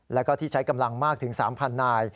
แล้วก็ที่ใช้กำลังมากถึง๓๐๐นาย